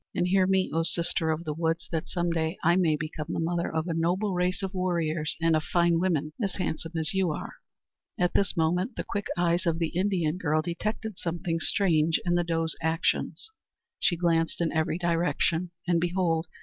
And hear me, O sister of the woods, that some day I may become the mother of a noble race of warriors and of fine women, as handsome as you are!" At this moment the quick eyes of the Indian girl detected something strange in the doe's actions. She glanced in every direction and behold!